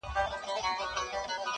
مرگ دی که ژوند دی